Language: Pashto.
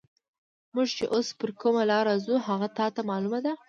موږ چې اوس پر کومه لار ځو، هغه تا ته معلومه ده؟